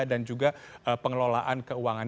dan juga pengelolaan keuangan